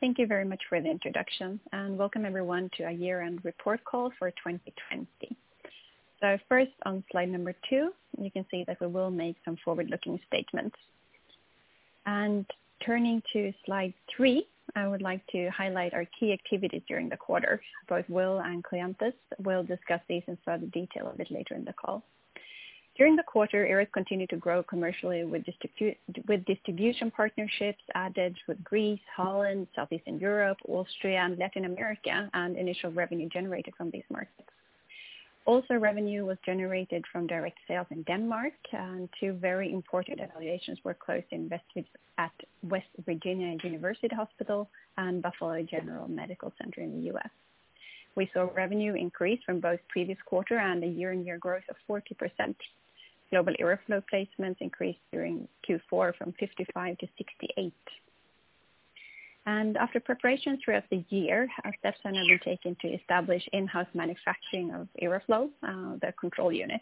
Thank you very much for the introduction, and welcome, everyone, to our year-end report call for 2020. First, on slide number two, you can see that we will make some forward-looking statements. Turning to slide three, I would like to highlight our key activities during the quarter. Both Will and Kleanthis will discuss these in further detail a bit later in the call. During the quarter, IRRAS continued to grow commercially with distribution partnerships added with Greece, Holland, Southeastern Europe, Austria, and Latin America, and initial revenue generated from these markets. Also, revenue was generated from direct sales in Denmark, and two very important evaluations were closed in West Virginia University Hospital and Buffalo General Medical Center in the U.S. We saw revenue increase from both the previous quarter and a year-on-year growth of 40%. Global IRRAflow placements increased during Q4 from 55 to 68. After preparations throughout the year, our steps have been taken to establish in-house manufacturing of IRRAflow, the control unit,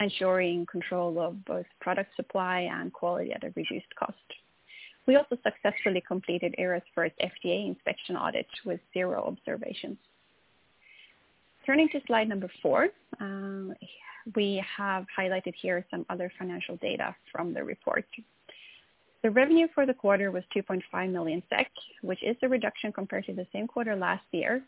ensuring control of both product supply and quality at a reduced cost. We also successfully completed IRRAS' first FDA inspection audit with zero observations. Turning to slide number four, we have highlighted here some other financial data from the report. The revenue for the quarter was 2.5 million SEK, which is a reduction compared to the same quarter last year.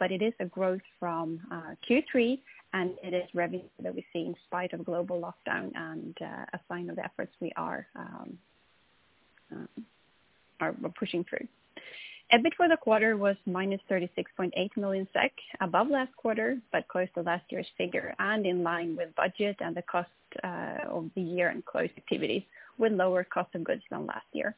It is a growth from Q3, and it is revenue that we see in spite of global lockdown and a sign of the efforts we are pushing through. EBIT for the quarter was -36.8 million SEK, above last quarter, but close to last year's figure and in line with budget and the cost of the year-end close activities, with lower cost of goods than last year.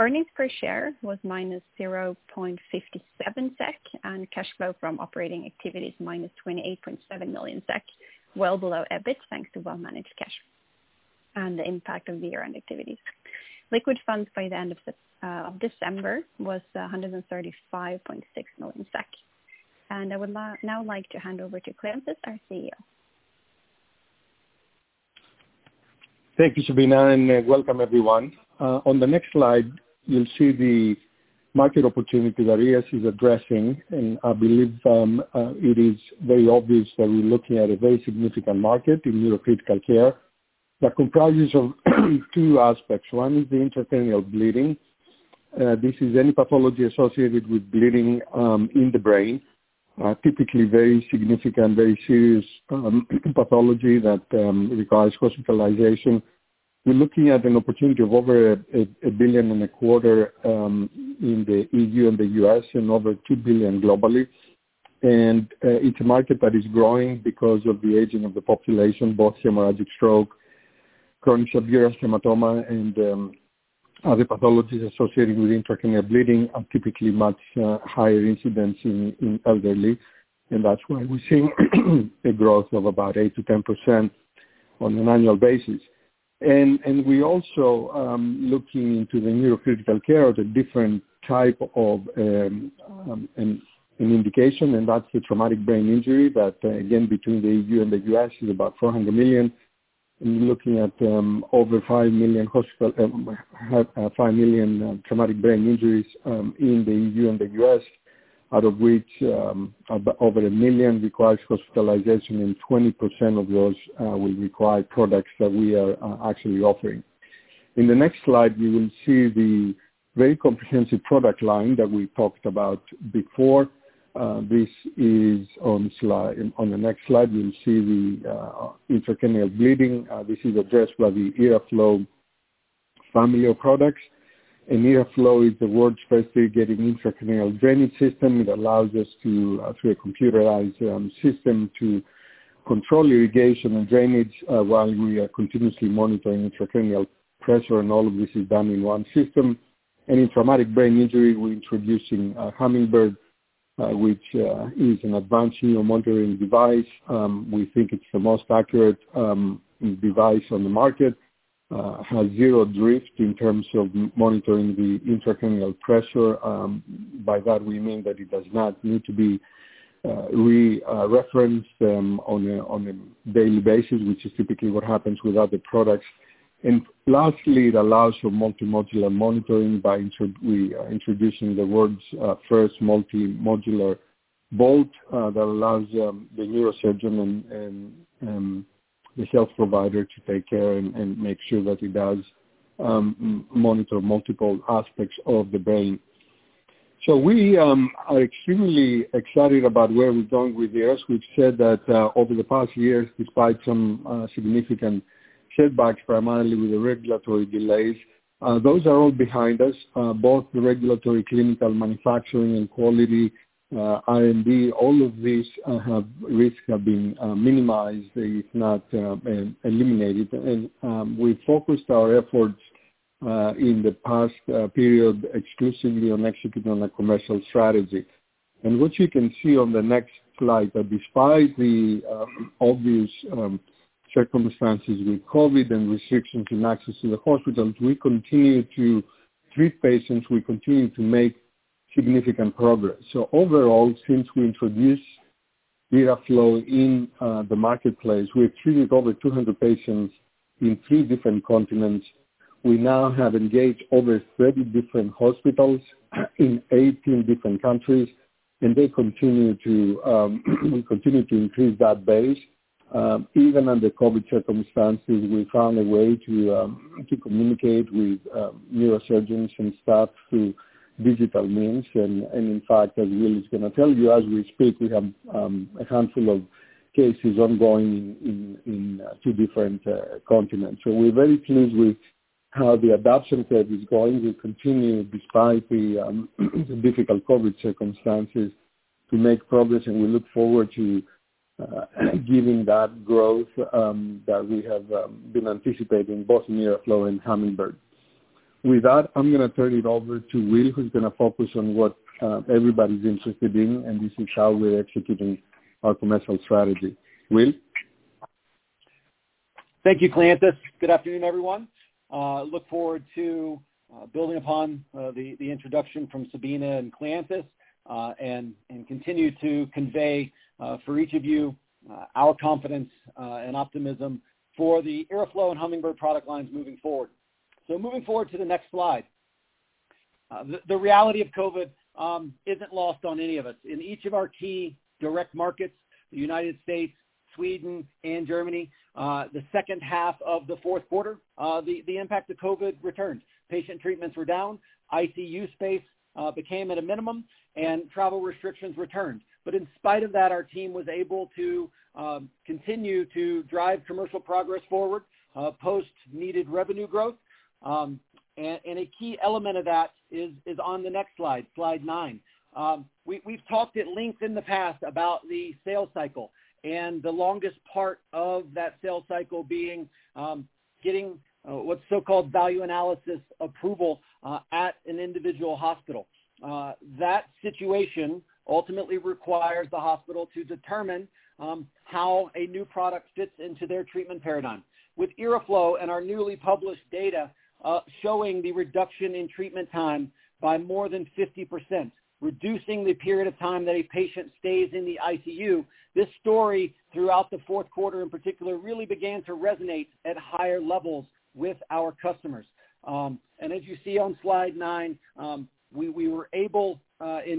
Earnings per share was -0.57 SEK, and cash flow from operating activities -28.7 million SEK, well below EBIT, thanks to well-managed cash and the impact of the year-end activities. Liquid funds by the end of December was 135.6 million SEK. I would now like to hand over to Kleanthis, our CEO. Thank you, Sabina. Welcome, everyone. On the next slide, you'll see the market opportunity that IRRAS is addressing. I believe it is very obvious that we're looking at a very significant market in neurocritical care that comprises of two aspects. One is the intracerebral bleeding. This is any pathology associated with bleeding in the brain, typically very significant, very serious pathology that requires hospitalization. We're looking at an opportunity of over 1.25 billion in the EU and the U.S., and over 2 billion globally. It's a market that is growing because of the aging of the population. Both hemorrhagic stroke, chronic subdural hematoma, and other pathologies associated with intracerebral bleeding are typically much higher incidence in elderly, and that's why we're seeing a growth of about 8%-10% on an annual basis. We also looking into the neurocritical care as a different type of an indication, and that's the traumatic brain injury that, again, between the EU and the U.S., is about 400 million. We're looking at over 5 million traumatic brain injuries in the EU and the U.S., out of which over 1 million requires hospitalization, and 20% of those will require products that we are actually offering. In the next slide, you will see the very comprehensive product line that we talked about before. On the next slide, you'll see the intracerebral bleeding. This is addressed by the IRRAflow family of products. IRRAflow is the world's first irrigated intracerebral drainage system. It allows us to, through a computerized system, to control irrigation and drainage while we are continuously monitoring intracranial pressure, all of this is done in one system. In traumatic brain injury, we're introducing Hummingbird, which is an advanced neuro monitoring device. We think it's the most accurate device on the market. Has zero drift in terms of monitoring the intracranial pressure. By that, we mean that it does not need to be re-referenced on a daily basis, which is typically what happens with other products. Lastly, it allows for multimodal monitoring by introducing the world's first multi-modular bolt that allows the neurosurgeon and the health provider to take care and make sure that it does monitor multiple aspects of the brain. We are extremely excited about where we're going with IRRAS. We've said that over the past years, despite some significant setbacks, primarily with the regulatory delays, those are all behind us. Both the regulatory, clinical, manufacturing, and quality, R&D, all of these risks have been minimized, if not eliminated. We focused our efforts in the past period exclusively on executing on a commercial strategy. What you can see on the next slide, that despite the obvious circumstances with COVID and restrictions in access to the hospitals, we continue to treat patients, we continue to make significant progress. Overall, since we introduced IRRAflow in the marketplace, we have treated over 200 patients in three different continents. We now have engaged over 30 different hospitals in 18 different countries, and we continue to increase that base. Even under COVID circumstances, we found a way to communicate with neurosurgeons and staff through digital means. In fact, as Will is going to tell you, as we speak, we have a handful of cases ongoing in two different continents. We're very pleased with how the adoption curve is going. We continue, despite the difficult COVID circumstances, to make progress, and we look forward to giving that growth that we have been anticipating, both IRRAflow and Hummingbird. With that, I'm going to turn it over to Will, who's going to focus on what everybody's interested in, and this is how we're executing our commercial strategy. Will? Thank you, Kleanthis. Good afternoon, everyone. Look forward to building upon the introduction from Sabina and Kleanthis, and continue to convey for each of you our confidence and optimism for the IRRAflow and Hummingbird product lines moving forward. Moving forward to the next slide. The reality of COVID isn't lost on any of us. In each of our key direct markets, the United States, Sweden and Germany, the second half of the fourth quarter, the impact of COVID returned. Patient treatments were down, ICU space became at a minimum, and travel restrictions returned. In spite of that, our team was able to continue to drive commercial progress forward, post-needed revenue growth. A key element of that is on the next slide, slide nine. We've talked at length in the past about the sales cycle and the longest part of that sales cycle being getting what's so-called value analysis approval at an individual hospital. That situation ultimately requires the hospital to determine how a new product fits into their treatment paradigm. With IRRAflow and our newly published data showing the reduction in treatment time by more than 50%, reducing the period of time that a patient stays in the ICU, this story throughout the fourth quarter in particular really began to resonate at higher levels with our customers. As you see on slide nine, we were able,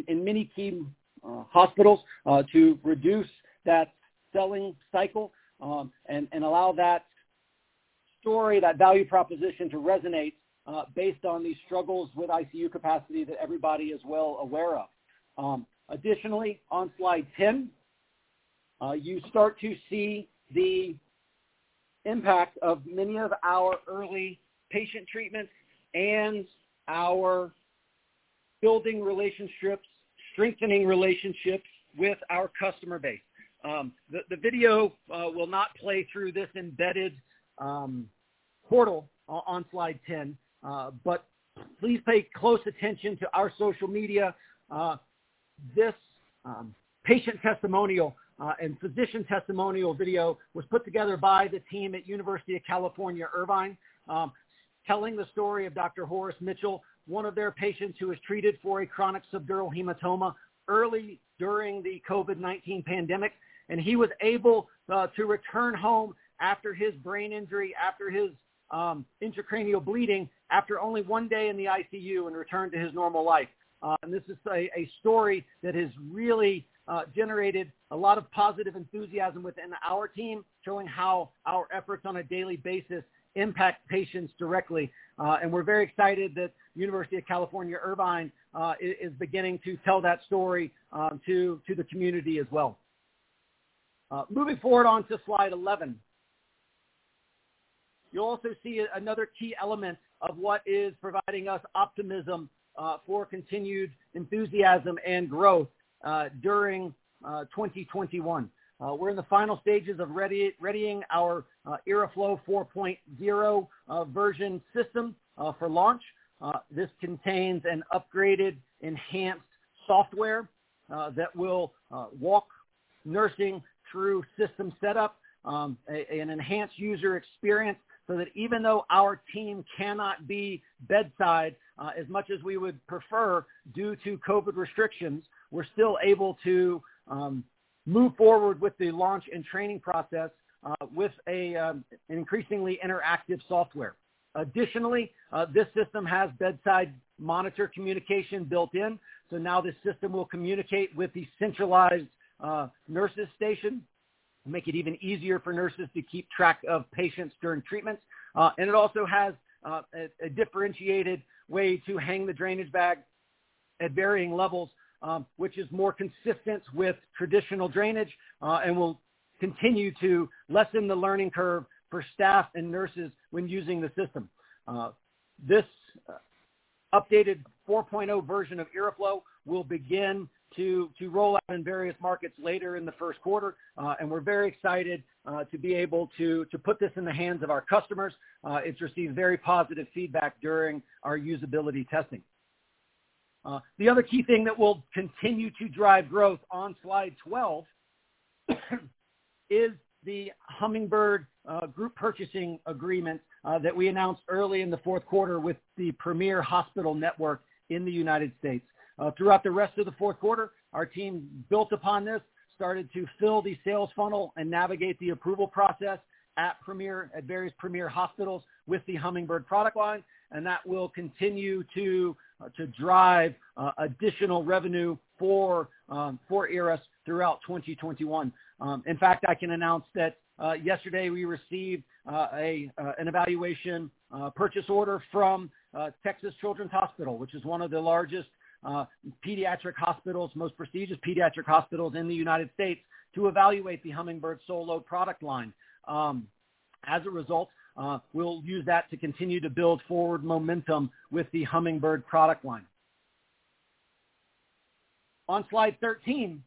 in many key hospitals, to reduce that selling cycle, and allow that story, that value proposition to resonate based on these struggles with ICU capacity that everybody is well aware of. Additionally, on slide 10, you start to see the impact of many of our early patient treatments and our building relationships, strengthening relationships with our customer base. The video will not play through this embedded portal on slide 10. Please pay close attention to our social media. This patient testimonial and physician testimonial video was put together by the team at University of California, Irvine, telling the story of Dr Horace Mitchell, one of their patients who was treated for a chronic subdural hematoma early during the COVID-19 pandemic. He was able to return home after his brain injury, after his intracranial bleeding, after only one day in the ICU, and return to his normal life. This is a story that has really generated a lot of positive enthusiasm within our team, showing how our efforts on a daily basis impact patients directly. We're very excited that University of California, Irvine is beginning to tell that story to the community as well. Moving forward onto slide 11. You'll also see another key element of what is providing us optimism for continued enthusiasm and growth during 2021. We're in the final stages of readying our IRRAflow 4.0 version system for launch. This contains an upgraded, enhanced software that will walk nursing through system setup, an enhanced user experience, so that even though our team cannot be bedside as much as we would prefer due to COVID restrictions, we're still able to move forward with the launch and training process with an increasingly interactive software. Additionally, this system has bedside monitor communication built in. Now this system will communicate with the centralized nurses station to make it even easier for nurses to keep track of patients during treatments. It also has a differentiated way to hang the drainage bag at varying levels, which is more consistent with traditional drainage and will continue to lessen the learning curve for staff and nurses when using the system. This updated 4.0 version of IRRAflow will begin to roll out in various markets later in the first quarter. We're very excited to be able to put this in the hands of our customers. It's received very positive feedback during our usability testing. The other key thing that will continue to drive growth on slide 12 is the Hummingbird group purchasing agreement that we announced early in the fourth quarter with the Premier Hospital network in the United States. Throughout the rest of the fourth quarter, our team built upon this, started to fill the sales funnel, and navigate the approval process at various Premier hospitals with the Hummingbird product line. That will continue to drive additional revenue for IRRAS throughout 2021. In fact, I can announce that yesterday we received an evaluation purchase order from Texas Children's Hospital, which is one of the largest pediatric hospitals, most prestigious pediatric hospitals in the U.S., to evaluate the Hummingbird Solo product line. As a result, we'll use that to continue to build forward momentum with the Hummingbird product line. On slide 13,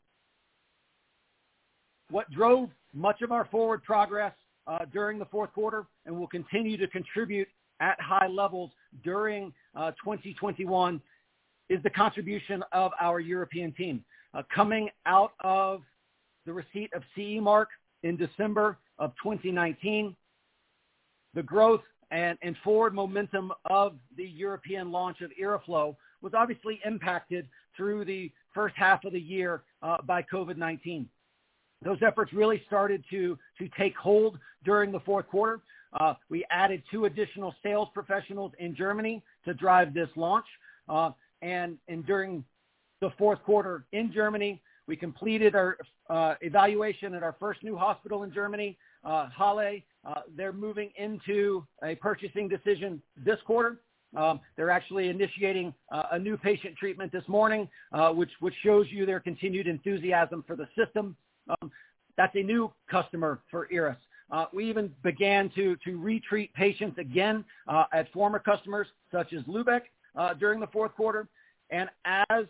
what drove much of our forward progress during the fourth quarter and will continue to contribute at high levels during 2021, is the contribution of our European team. Coming out of the receipt of CE Mark in December of 2019, the growth and forward momentum of the European launch of IRRAflow was obviously impacted through the first half of the year by COVID-19. Those efforts really started to take hold during the fourth quarter. We added two additional sales professionals in Germany to drive this launch. During the fourth quarter in Germany, we completed our evaluation at our first new hospital in Germany, Halle. They're moving into a purchasing decision this quarter. They're actually initiating a new patient treatment this morning, which shows you their continued enthusiasm for the system. That's a new customer for IRRAS. We even began to retreat patients again at former customers such as Lübeck during the fourth quarter. As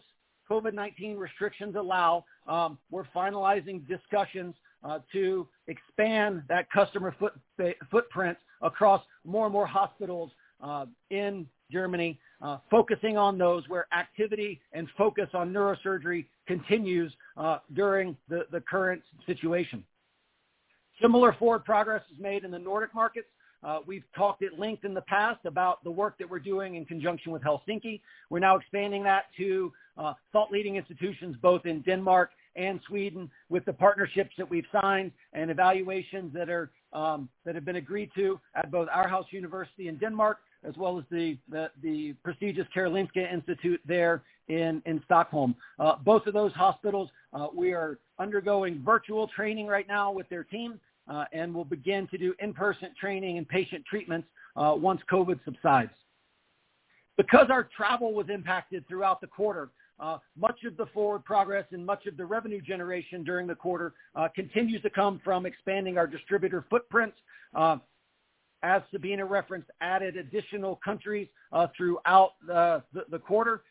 COVID-19 restrictions allow, we're finalizing discussions to expand that customer footprint across more and more hospitals in Germany, focusing on those where activity and focus on neurosurgery continues during the current situation. Similar forward progress is made in the Nordic markets. We've talked at length in the past about the work that we're doing in conjunction with Helsinki. We're now expanding that to thought-leading institutions both in Denmark and Sweden with the partnerships that we've signed and evaluations that have been agreed to at both Aarhus University in Denmark, as well as the prestigious Karolinska Institutet there in Stockholm. Both of those hospitals we are undergoing virtual training right now with their team. We'll begin to do in-person training and patient treatments once COVID subsides. Because our travel was impacted throughout the quarter, much of the forward progress and much of the revenue generation during the quarter continues to come from expanding our distributor footprint. As Sabina referenced, added additional countries throughout the quarter.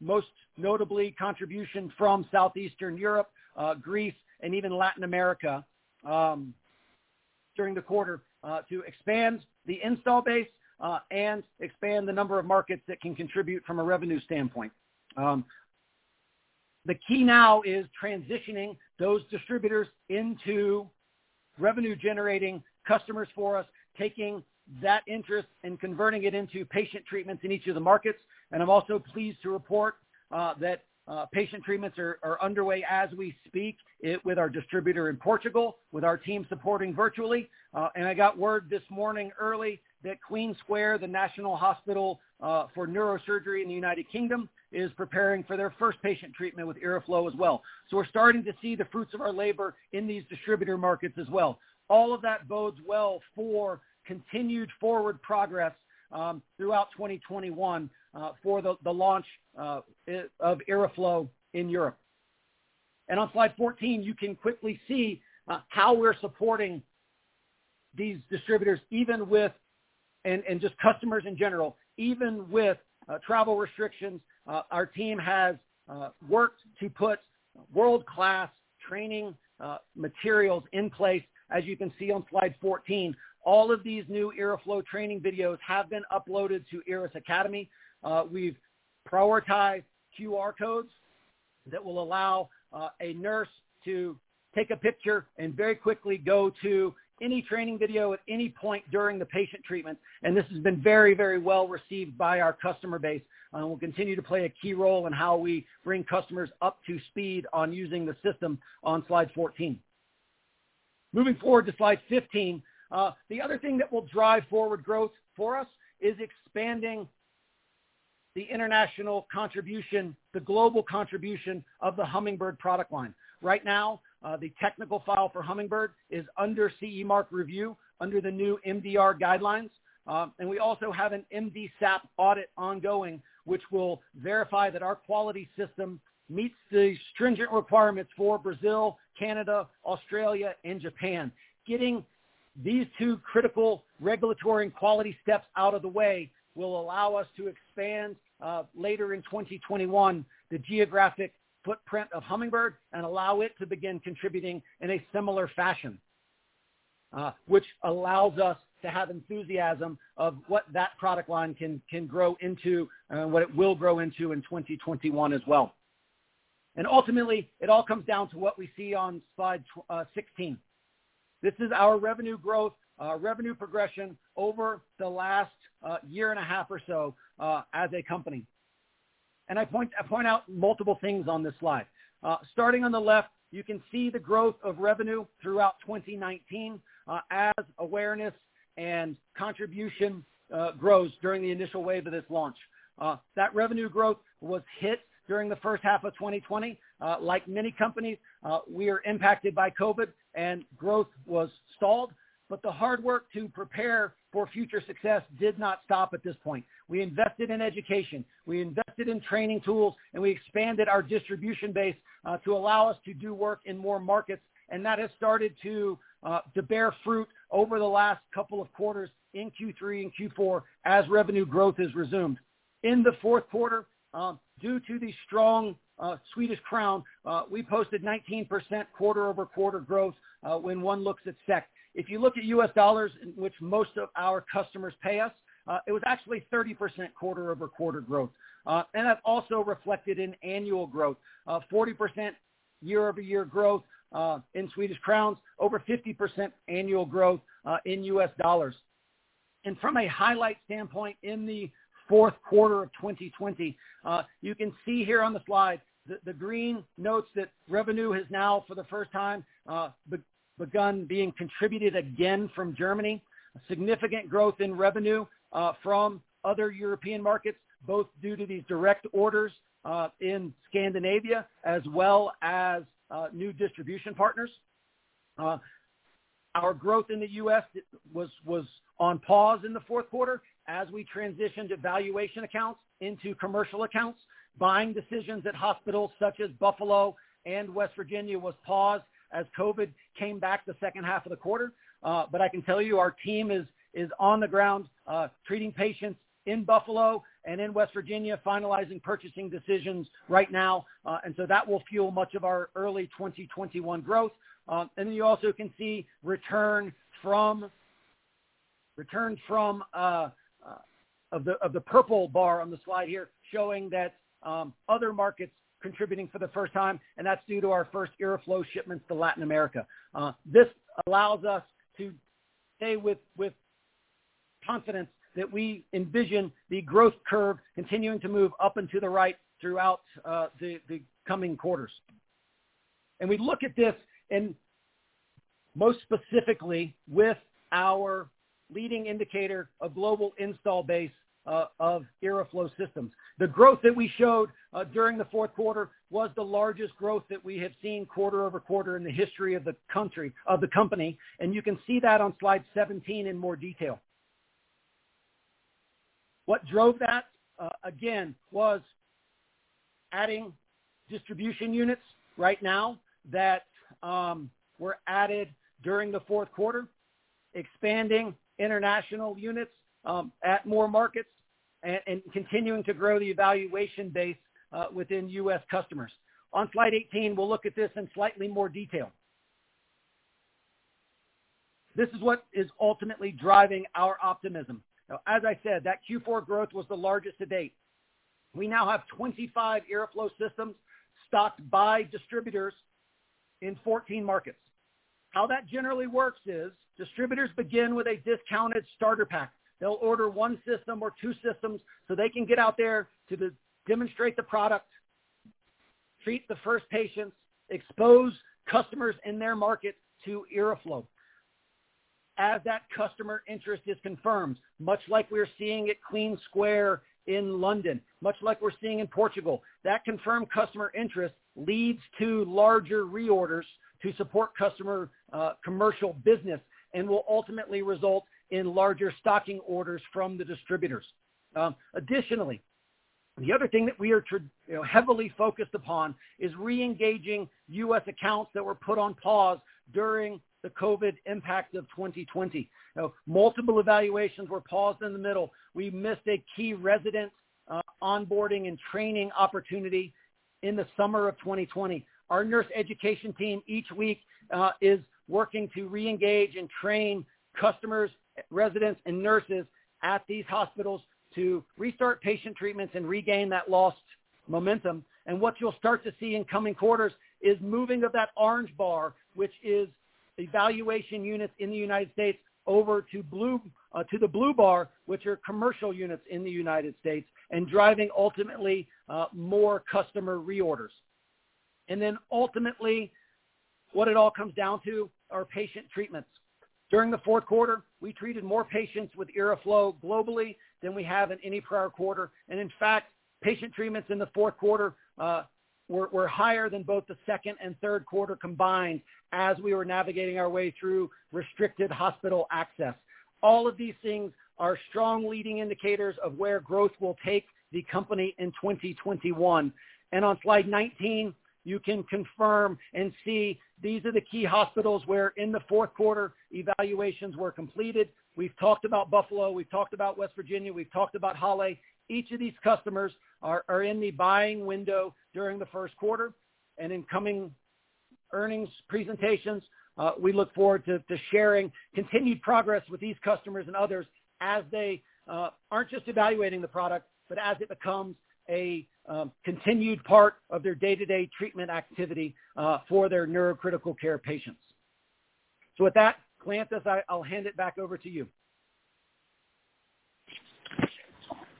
Most notably contribution from Southeastern Europe, Greece, and even Latin America during the quarter to expand the install base and expand the number of markets that can contribute from a revenue standpoint. The key now is transitioning those distributors into revenue-generating customers for us, taking that interest and converting it into patient treatments in each of the markets. I'm also pleased to report that patient treatments are underway as we speak with our distributor in Portugal, with our team supporting virtually. I got word this morning early that Queen Square, The National Hospital for Neurology and Neurosurgery in the U.K., is preparing for their first patient treatment with IRRAflow as well. We're starting to see the fruits of our labor in these distributor markets as well. All of that bodes well for continued forward progress throughout 2021 for the launch of IRRAflow in Europe. On slide 14, you can quickly see how we're supporting these distributors and just customers in general. Even with travel restrictions, our team has worked to put world-class training materials in place. As you can see on slide 14, all of these new IRRAflow training videos have been uploaded to IRRAS Academy. We've prioritized QR codes that will allow a nurse to take a picture and very quickly go to any training video at any point during the patient treatment. This has been very, very well received by our customer base and will continue to play a key role in how we bring customers up to speed on using the system on slide 14. Moving forward to slide 15. The other thing that will drive forward growth for us is expanding the international contribution, the global contribution of the Hummingbird product line. Right now, the technical file for Hummingbird is under CE mark review under the new MDR guidelines. We also have an MDSAP audit ongoing, which will verify that our quality system meets the stringent requirements for Brazil, Canada, Australia, and Japan. Getting these two critical regulatory and quality steps out of the way will allow us to expand, later in 2021, the geographic footprint of Hummingbird and allow it to begin contributing in a similar fashion. Which allows us to have enthusiasm of what that product line can grow into and what it will grow into in 2021 as well. Ultimately, it all comes down to what we see on slide 16. This is our revenue growth, revenue progression over the last year and a half or so as a company. I point out multiple things on this slide. Starting on the left, you can see the growth of revenue throughout 2019 as awareness and contribution grows during the initial wave of this launch. That revenue growth was hit during the first half of 2020. Like many companies, we are impacted by COVID and growth was stalled, but the hard work to prepare for future success did not stop at this point. We invested in education, we invested in training tools, and we expanded our distribution base to allow us to do work in more markets. That has started to bear fruit over the last couple of quarters in Q3 and Q4 as revenue growth has resumed. In the fourth quarter, due to the strong Swedish krona, we posted 19% quarter-over-quarter growth when one looks at SEK. If you look at US dollars, which most of our customers pay us, it was actually 30% quarter-over-quarter growth. That's also reflected in annual growth, 40% year-over-year growth in Swedish krona, over 50% annual growth in US dollars. From a highlight standpoint in the fourth quarter of 2020, you can see here on the slide the green notes that revenue has now for the first time, begun being contributed again from Germany. Significant growth in revenue from other European markets, both due to these direct orders in Scandinavia as well as new distribution partners. Our growth in the U.S. was on pause in the fourth quarter as we transitioned evaluation accounts into commercial accounts. Buying decisions at hospitals such as Buffalo and West Virginia was paused as COVID came back the second half of the quarter. I can tell you our team is on the ground treating patients in Buffalo and in West Virginia, finalizing purchasing decisions right now. That will fuel much of our early 2021 growth. You also can see return from the purple bar on the slide here showing that other markets contributing for the first time, and that's due to our first IRRAflow shipments to Latin America. This allows us to say with confidence that we envision the growth curve continuing to move up and to the right throughout the coming quarters. We look at this, and most specifically with our leading indicator of global install base of IRRAflow systems. The growth that we showed during the fourth quarter was the largest growth that we have seen quarter-over-quarter in the history of the company. You can see that on slide 17 in more detail. What drove that, again, was adding distribution units right now that were added during the fourth quarter, expanding international units at more markets, and continuing to grow the evaluation base within U.S. customers. On slide 18, we'll look at this in slightly more detail. This is what is ultimately driving our optimism. Now, as I said, that Q4 growth was the largest to date. We now have 25 IRRAflow systems stocked by distributors in 14 markets. How that generally works is distributors begin with a discounted starter pack. They'll order one system or two systems so they can get out there to demonstrate the product, treat the first patients, expose customers in their market to IRRAflow. As that customer interest is confirmed, much like we're seeing at Queen Square in London, much like we're seeing in Portugal, that confirmed customer interest leads to larger reorders to support customer commercial business and will ultimately result in larger stocking orders from the distributors. The other thing that we are heavily focused upon is re-engaging U.S. accounts that were put on pause during the COVID impact of 2020. Multiple evaluations were paused in the middle. We missed a key resident onboarding and training opportunity in the summer of 2020. Our nurse education team each week is working to reengage and train customers, residents, and nurses at these hospitals to restart patient treatments and regain that lost momentum. What you'll start to see in coming quarters is moving of that orange bar, which is evaluation units in the U.S., over to the blue bar, which are commercial units in the U.S., and driving ultimately more customer reorders. Ultimately, what it all comes down to are patient treatments. During the fourth quarter, we treated more patients with IRRAflow globally than we have in any prior quarter. In fact, patient treatments in the fourth quarter were higher than both the second and third quarter combined as we were navigating our way through restricted hospital access. All of these things are strong leading indicators of where growth will take the company in 2021. On slide 19, you can confirm and see these are the key hospitals where in the fourth quarter, evaluations were completed. We've talked about Buffalo. We've talked about West Virginia. We've talked about Halle. Each of these customers are in the buying window during the first quarter. In coming earnings presentations, we look forward to sharing continued progress with these customers and others as they aren't just evaluating the product, but as it becomes a continued part of their day-to-day treatment activity for their neurocritical care patients. With that, Kleanthis, I'll hand it back over to you.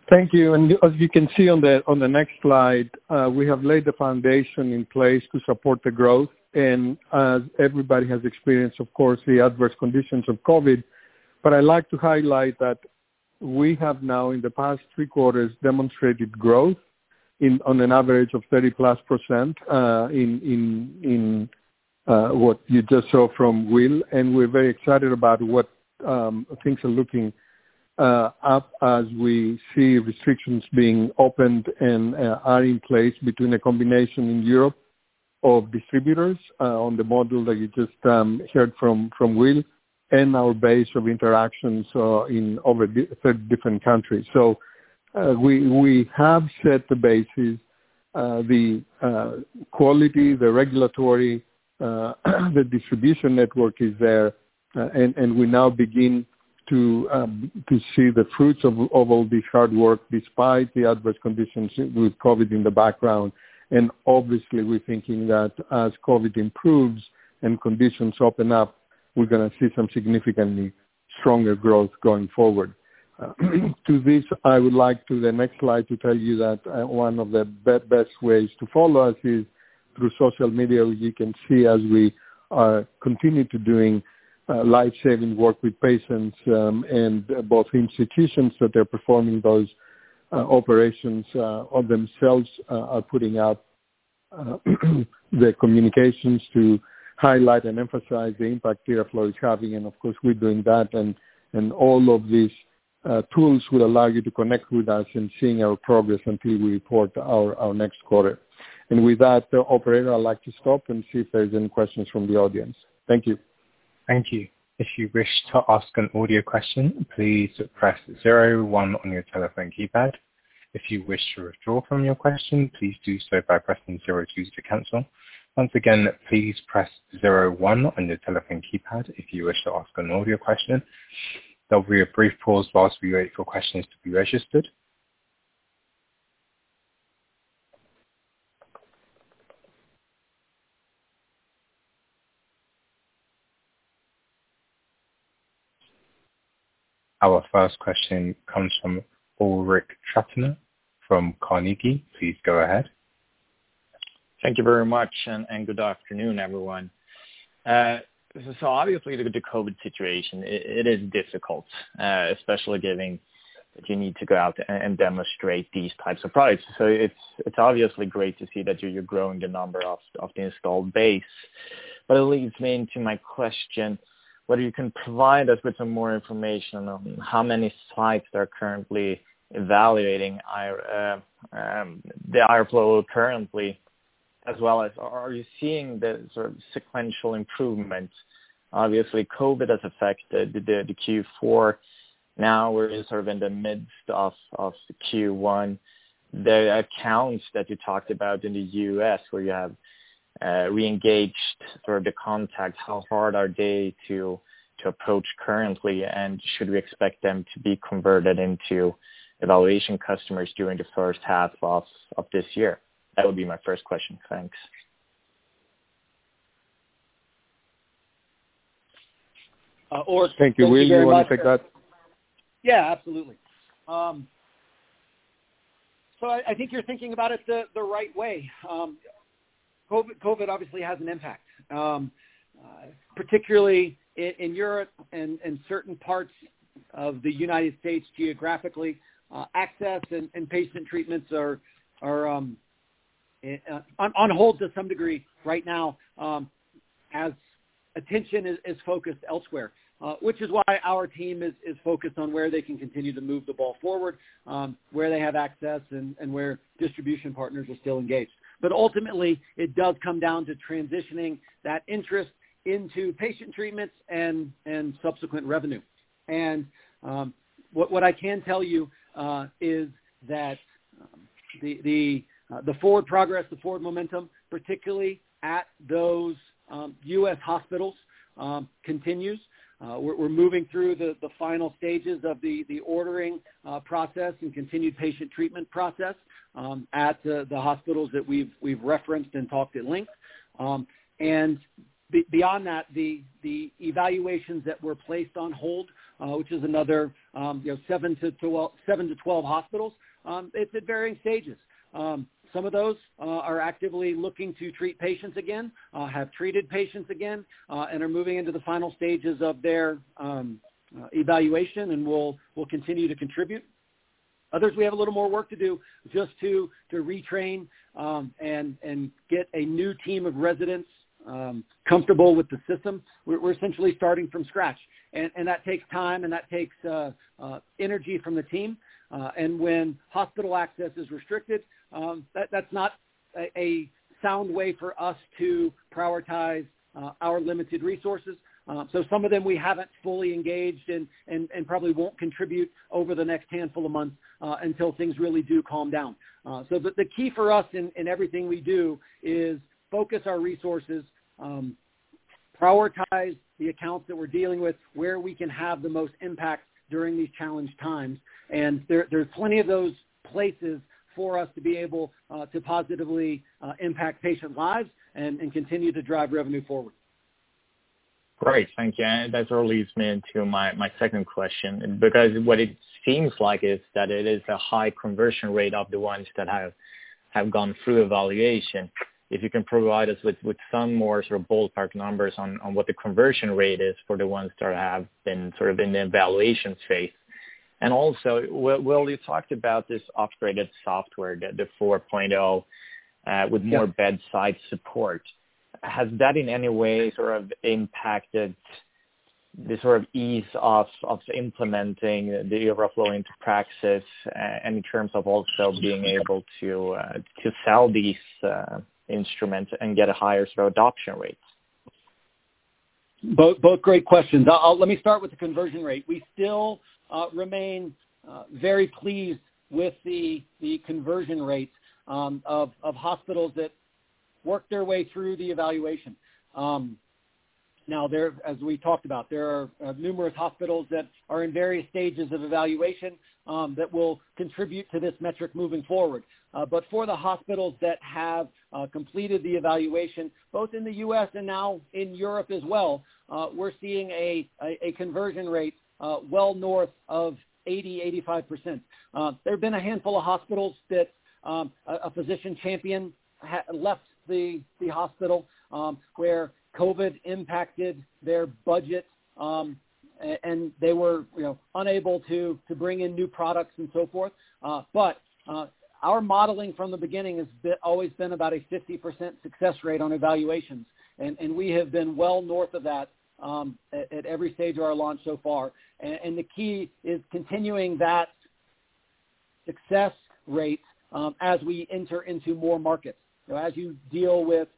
Thank you. As you can see on the next slide, we have laid the foundation in place to support the growth. As everybody has experienced, of course, the adverse conditions of COVID, but I like to highlight that we have now, in the past three quarters, demonstrated growth on an average of 30%+ in what you just saw from Will. We're very excited about what things are looking up as we see restrictions being opened and are in place between a combination in Europe of distributors on the model that you just heard from Will and our base of interactions in over 30 different countries. We have set the bases, the quality, the regulatory, the distribution network is there. We now begin to see the fruits of all this hard work despite the adverse conditions with COVID in the background. Obviously, we're thinking that as COVID improves and conditions open up, we're going to see some significantly stronger growth going forward. To this, I would like to the next slide to tell you that one of the best ways to follow us is through social media, where you can see as we are continue to doing life-saving work with patients and both institutions that are performing those operations of themselves are putting out their communications to highlight and emphasize the impact IRRAflow is having. Of course, we're doing that and all of these tools will allow you to connect with us in seeing our progress until we report our next quarter. With that, operator, I'd like to stop and see if there's any questions from the audience. Thank you. Thank you. If you wish to ask an audio question, please press zero one on your telephone keypad. If you wish to withdraw from your question, please do so by pressing zero two to cancel. Once again, please press zero one on your telephone keypad if you wish to ask an audio question. There will be a brief pause while we wait for questions to be registered. Our first question comes from Ulrich Truchna from Carnegie. Please go ahead. Thank you very much. Good afternoon, everyone. Obviously, with the COVID situation, it is difficult, especially giving that you need to go out and demonstrate these types of products. It's obviously great to see that you're growing the number of the installed base. It leads me into my question, whether you can provide us with some more information on how many sites are currently evaluating the IRRAflow currently, as well as are you seeing the sort of sequential improvements? Obviously, COVID has affected the Q4. Now we're sort of in the midst of Q1. The accounts that you talked about in the U.S. where you have re-engaged sort of the contacts, how hard are they to approach currently, should we expect them to be converted into evaluation customers during the first half of this year? That would be my first question. Thanks. Thank you. Will, you want to take that? Yeah, absolutely. I think you're thinking about it the right way. COVID obviously has an impact. Particularly in Europe and certain parts of the U.S. geographically, access and patient treatments are on hold to some degree right now as attention is focused elsewhere, which is why our team is focused on where they can continue to move the ball forward, where they have access, and where distribution partners are still engaged. Ultimately, it does come down to transitioning that interest into patient treatments and subsequent revenue. What I can tell you is that the forward progress, the forward momentum, particularly at those U.S. hospitals, continues. We're moving through the final stages of the ordering process and continued patient treatment process at the hospitals that we've referenced and talked at length. Beyond that, the evaluations that were placed on hold, which is another 7-12 hospitals, it's at varying stages. Some of those are actively looking to treat patients again, have treated patients again, and are moving into the final stages of their evaluation and will continue to contribute. Others, we have a little more work to do just to retrain and get a new team of residents comfortable with the system. We're essentially starting from scratch. That takes time and that takes energy from the team. When hospital access is restricted, that's not a sound way for us to prioritize our limited resources. Some of them we haven't fully engaged and probably won't contribute over the next handful of months until things really do calm down. The key for us in everything we do is focus our resources. Prioritize the accounts that we're dealing with, where we can have the most impact during these challenged times. There's plenty of those places for us to be able to positively impact patient lives and continue to drive revenue forward. Great. Thank you. That leads me into my second question, because what it seems like is that it is a high conversion rate of the ones that have gone through evaluation. If you can provide us with some more sort of ballpark numbers on what the conversion rate is for the ones that have been sort of in the evaluation phase. Also, Will, you talked about this upgraded software, the IRRAflow 4.0 with more bedside support. Has that in any way sort of impacted the sort of ease of implementing the IRRAflow into practice and in terms of also being able to sell these instruments and get a higher sort of adoption rate? Both great questions. Let me start with the conversion rate. We still remain very pleased with the conversion rates of hospitals that work their way through the evaluation. As we talked about, there are numerous hospitals that are in various stages of evaluation that will contribute to this metric moving forward. For the hospitals that have completed the evaluation, both in the U.S. and now in Europe as well, we're seeing a conversion rate well north of 80%, 85%. There have been a handful of hospitals that a physician champion left the hospital, where COVID impacted their budget, and they were unable to bring in new products and so forth. Our modeling from the beginning has always been about a 50% success rate on evaluations, and we have been well north of that at every stage of our launch so far. The key is continuing that success rate as we enter into more markets. As you deal with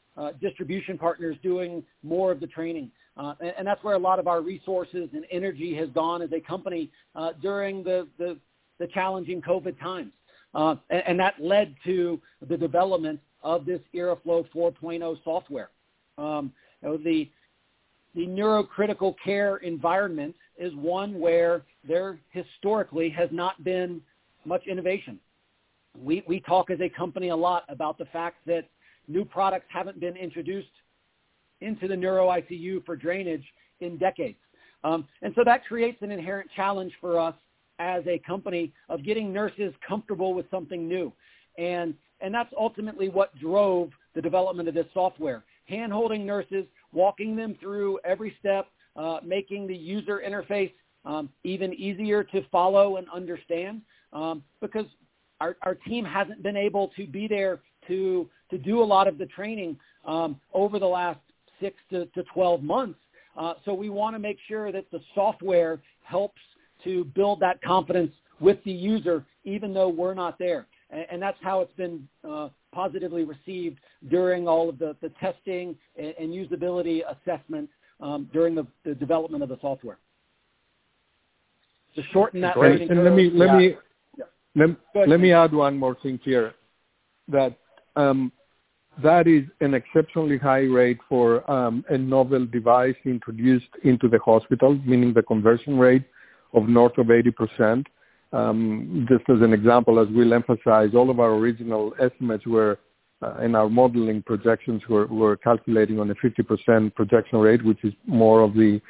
distribution partners doing more of the training. That's where a lot of our resources and energy has gone as a company during the challenging COVID times. That led to the development of this IRRAflow 4.0 software. The neurocritical care environment is one where there historically has not been much innovation. We talk as a company a lot about the fact that new products haven't been introduced into the Neuro ICU for drainage in decades. That creates an inherent challenge for us as a company of getting nurses comfortable with something new. That's ultimately what drove the development of this software. Handholding nurses, walking them through every step, making the user interface even easier to follow and understand because our team hasn't been able to be there to do a lot of the training over the last 6-12 months. We want to make sure that the software helps to build that confidence with the user, even though we're not there. That's how it's been positively received during all of the testing and usability assessment during the development of the software. Great. Yeah. Go ahead Let me add one more thing here. That is an exceptionally high rate for a novel device introduced into the hospital, meaning the conversion rate of north of 80%. Just as an example, as Will emphasized, all of our original estimates were in our modeling projections, were calculating on a 50% projection rate, which is more of the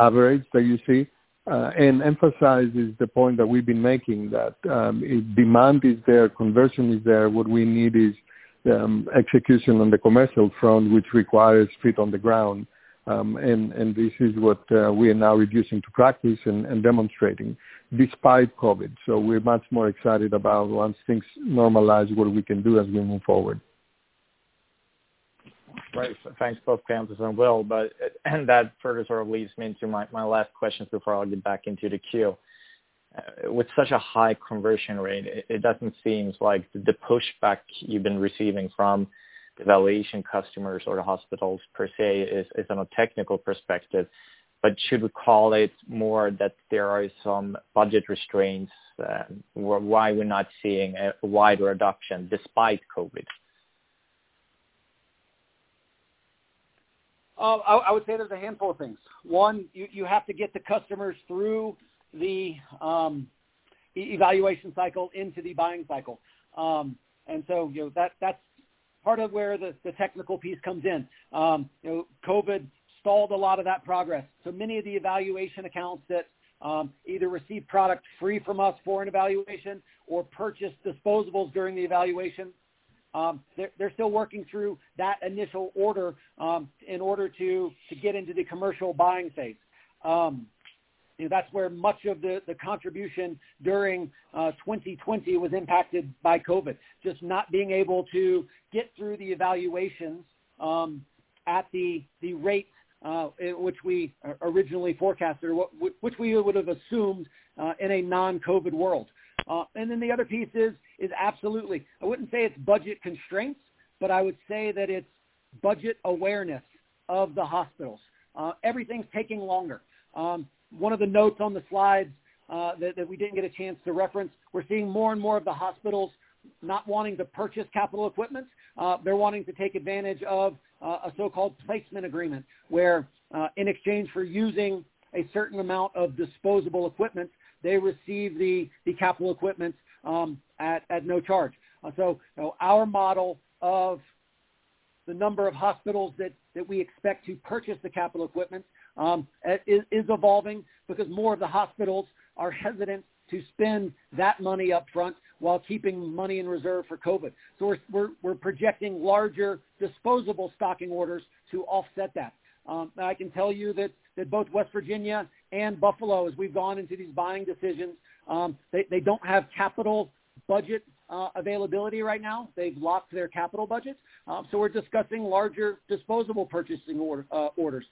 average that you see. Emphasizes the point that we've been making that demand is there, conversion is there. What we need is execution on the commercial front, which requires feet on the ground. This is what we are now reducing to practice and demonstrating despite COVID. We're much more excited about once things normalize, what we can do as we move forward. Great. Thanks both, Kleanthis and Will. That further sort of leads me into my last question before I'll get back into the queue. With such a high conversion rate, it doesn't seem like the pushback you've been receiving from evaluation customers or the hospitals per se is on a technical perspective. Should we call it more that there are some budget restraints? Why we're not seeing a wider adoption despite COVID? I would say there's a handful of things. One, you have to get the customers through the evaluation cycle into the buying cycle. That's part of where the technical piece comes in. COVID stalled a lot of that progress. Many of the evaluation accounts that either received product free from us for an evaluation or purchased disposables during the evaluation, they're still working through that initial order in order to get into the commercial buying phase. That's where much of the contribution during 2020 was impacted by COVID, just not being able to get through the evaluations at the rate which we originally forecasted, which we would have assumed in a non-COVID world. The other piece is absolutely. I wouldn't say it's budget constraints, but I would say that it's budget awareness of the hospitals. Everything's taking longer. One of the notes on the slides that we didn't get a chance to reference, we're seeing more and more of the hospitals not wanting to purchase capital equipment. They're wanting to take advantage of a so-called placement agreement, where in exchange for using a certain amount of disposable equipment, they receive the capital equipment at no charge. Our model of the number of hospitals that we expect to purchase the capital equipment is evolving because more of the hospitals are hesitant to spend that money up front while keeping money in reserve for COVID. We're projecting larger disposable stocking orders to offset that. I can tell you that both West Virginia and Buffalo, as we've gone into these buying decisions, they don't have capital budget availability right now. They've locked their capital budget. We're discussing larger disposable purchasing orders.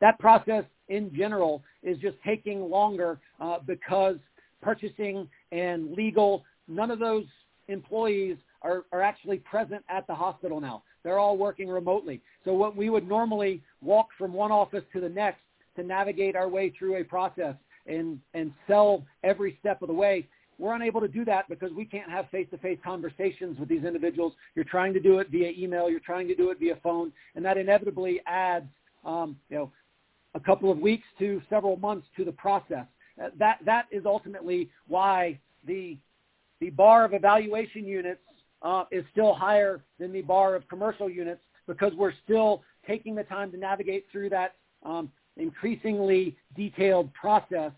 That process in general is just taking longer because purchasing and legal, none of those employees are actually present at the hospital now. They're all working remotely. What we would normally walk from one office to the next to navigate our way through a process and sell every step of the way, we're unable to do that because we can't have face-to-face conversations with these individuals. You're trying to do it via email, you're trying to do it via phone. That inevitably adds a couple of weeks to several months to the process. That is ultimately why the bar of evaluation units is still higher than the bar of commercial units, because we're still taking the time to navigate through that increasingly detailed process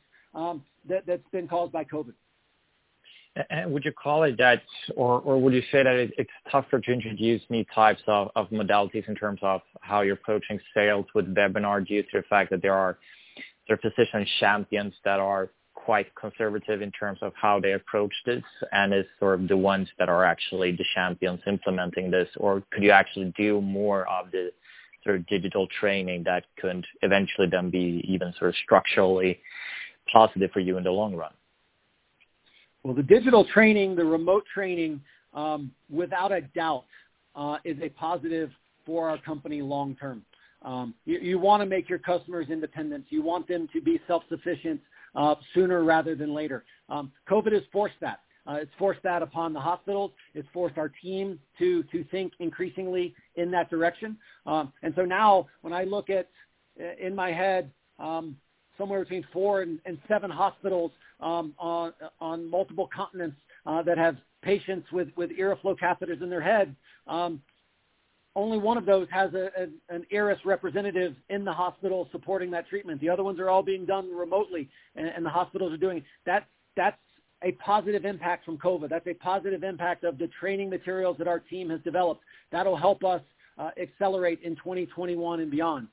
that's been caused by COVID. Would you call it that, or would you say that it's tougher to introduce new types of modalities in terms of how you're approaching sales with webinars due to the fact that there are physician champions that are quite conservative in terms of how they approach this and is sort of the ones that are actually the champions implementing this? Or could you actually do more of the sort of digital training that could eventually then be even sort of structurally positive for you in the long run? The digital training, the remote training, without a doubt is a positive for our company long term. You want to make your customers independent. You want them to be self-sufficient sooner rather than later. COVID has forced that. It's forced that upon the hospitals. It's forced our team to think increasingly in that direction. Now when I look at, in my head, somewhere between four and seven hospitals on multiple continents that have patients with IRRAflow catheters in their head, only one of those has an IRRAS representative in the hospital supporting that treatment. The other ones are all being done remotely. That's a positive impact from COVID. That's a positive impact of the training materials that our team has developed. That'll help us accelerate in 2021 and beyond.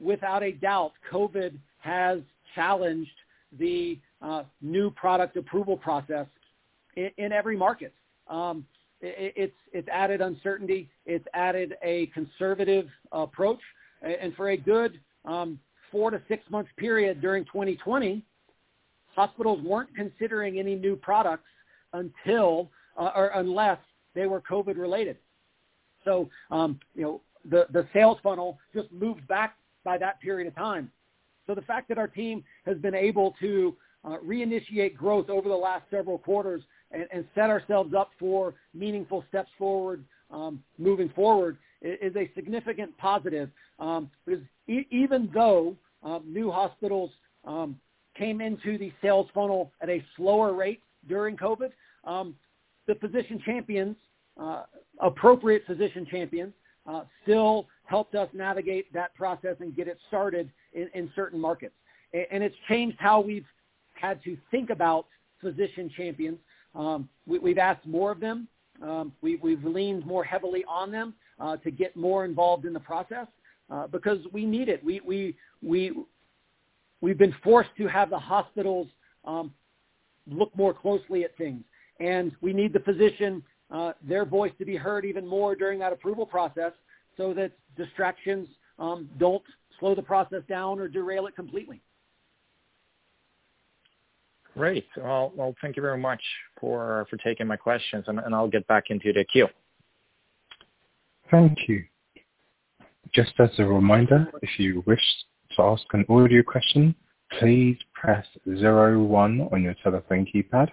Without a doubt, COVID has challenged the new product approval process in every market. It's added uncertainty. It's added a conservative approach. For a good four to six-month period during 2020, hospitals weren't considering any new products unless they were COVID related. The sales funnel just moved back by that period of time. The fact that our team has been able to reinitiate growth over the last several quarters and set ourselves up for meaningful steps forward moving forward is a significant positive. Even though new hospitals came into the sales funnel at a slower rate during COVID, the physician champions, appropriate physician champions still helped us navigate that process and get it started in certain markets. It's changed how we've had to think about physician champions. We've asked more of them. We've leaned more heavily on them to get more involved in the process because we need it. We've been forced to have the hospitals look more closely at things, and we need the physician, their voice to be heard even more during that approval process so that distractions don't slow the process down or derail it completely. Great. Well, thank you very much for taking my questions. I'll get back into the queue. Thank you. Just as a reminder, if you wish to ask an audio question, please press zero one on your telephone keypad.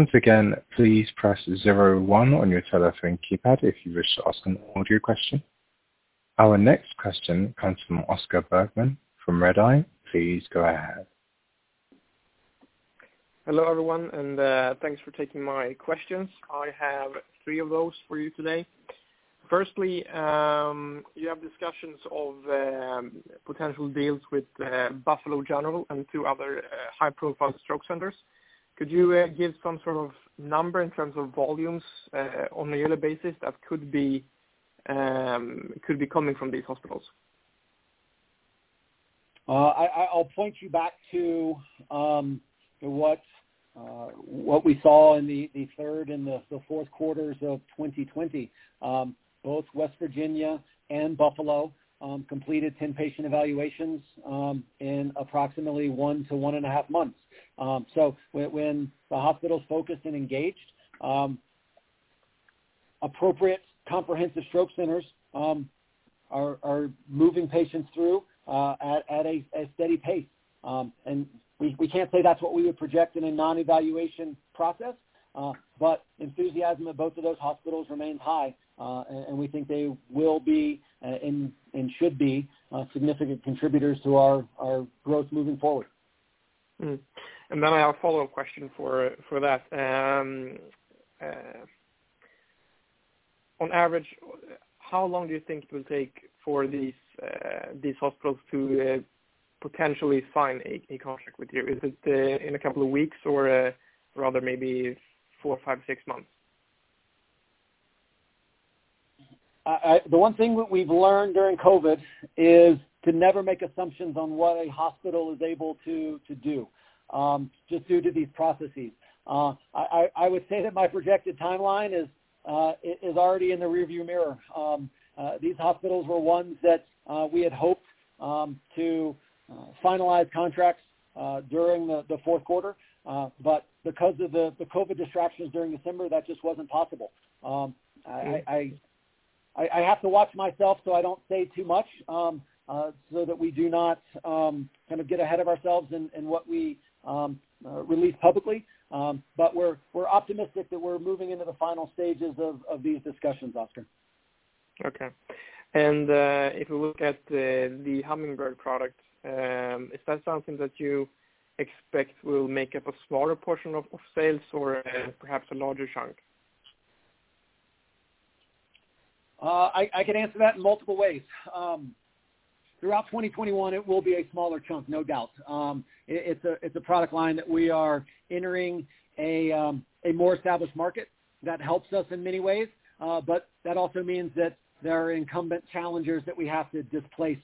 Once again, please press zero one on your telephone keypad if you wish to ask an audio question. Our next question comes from Oscar Bergman from Redeye. Please go ahead. Hello, everyone, and thanks for taking my questions. I have three of those for you today. Firstly, you have discussions of potential deals with Buffalo General and two other high-profile stroke centers. Could you give some sort of number in terms of volumes on a yearly basis that could be coming from these hospitals? I'll point you back to what we saw in the third and the fourth quarters of 2020. Both West Virginia and Buffalo completed 10 patient evaluations in approximately one to one and a half months. When the hospital's focused and engaged, Appropriate Comprehensive Stroke Center are moving patients through at a steady pace. We can't say that's what we would project in a non-evaluation process, but enthusiasm at both of those hospitals remains high, and we think they will be, and should be, significant contributors to our growth moving forward. Then I have a follow-up question for that. On average, how long do you think it will take for these hospitals to potentially sign a contract with you? Is it in a couple of weeks or rather maybe four, five, six months? The one thing that we've learned during COVID is to never make assumptions on what a hospital is able to do just due to these processes. I would say that my projected timeline is already in the rearview mirror. These hospitals were ones that we had hoped to finalize contracts during the fourth quarter. Because of the COVID disruptions during December, that just wasn't possible. I have to watch myself so I don't say too much so that we do not get ahead of ourselves in what we release publicly. We're optimistic that we're moving into the final stages of these discussions, Oscar. Okay. If we look at the Hummingbird product, is that something that you expect will make up a smaller portion of sales or perhaps a larger chunk? I can answer that in multiple ways. Throughout 2021, it will be a smaller chunk, no doubt. It's a product line that we are entering a more established market. That helps us in many ways. That also means that there are incumbent challengers that we have to displace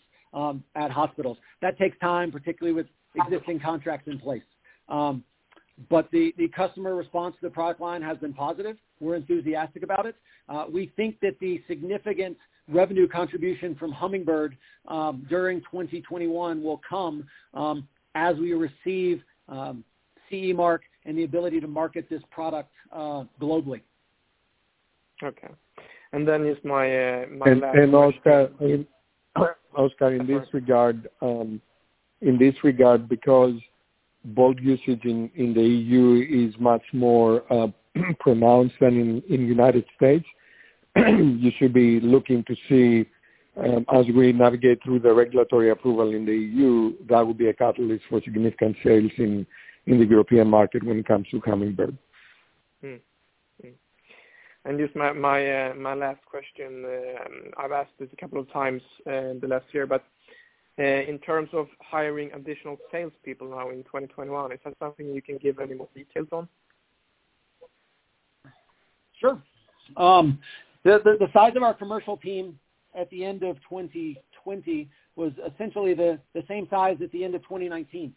at hospitals. That takes time, particularly with existing contracts in place. The customer response to the product line has been positive. We're enthusiastic about it. We think that the significant revenue contribution from Hummingbird during 2021 will come as we receive CE mark and the ability to market this product globally. Okay. Then is my last question. Oscar, in this regard, because both usage in the EU is much more pronounced than in the United States., you should be looking to see as we navigate through the regulatory approval in the EU, that will be a catalyst for significant sales in the European market when it comes to Hummingbird. Just my last question. I've asked this a couple of times in the last year, but in terms of hiring additional salespeople now in 2021, is that something you can give any more details on? Sure. The size of our commercial team at the end of 2020 was essentially the same size at the end of 2019.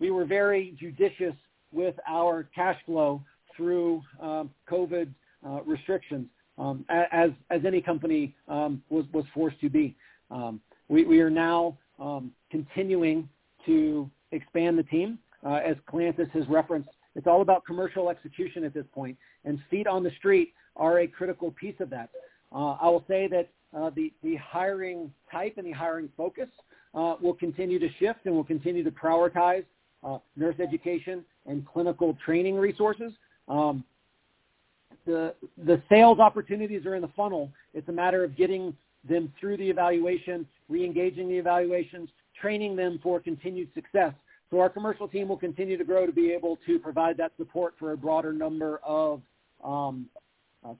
We were very judicious with our cash flow through COVID restrictions, as any company was forced to be. We are now continuing to expand the team. As Kleanthis has referenced, it's all about commercial execution at this point. Feet on the street are a critical piece of that. I will say that the hiring type and the hiring focus will continue to shift, and we'll continue to prioritize nurse education and clinical training resources. The sales opportunities are in the funnel. It's a matter of getting them through the evaluation, re-engaging the evaluations, training them for continued success. Our commercial team will continue to grow to be able to provide that support for a broader number of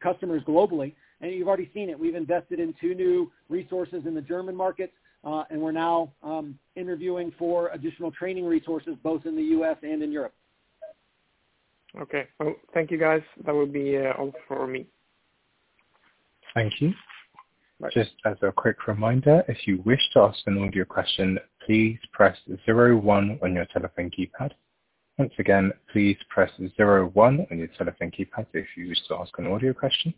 customers globally. You've already seen it. We've invested in two new resources in the German market. We're now interviewing for additional training resources, both in the U.S. and in Europe. Okay. Thank you, guys. That will be all for me. Thank you. Thanks. Just as a quick reminder, if you wish to ask an audio question, please press zero one on your telephone keypad. Once again, please press zero one on your telephone keypad if you wish to ask an audio question.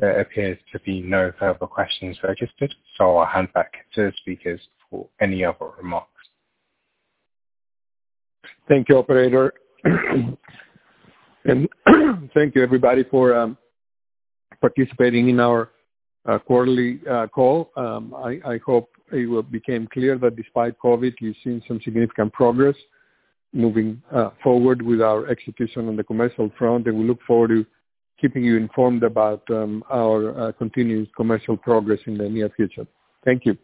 There appears to be no further questions registered, so I'll hand back to the speakers for any other remarks. Thank you, operator. Thank you, everybody, for participating in our quarterly call. I hope it became clear that despite COVID, we've seen some significant progress moving forward with our execution on the commercial front, and we look forward to keeping you informed about our continued commercial progress in the near future. Thank you.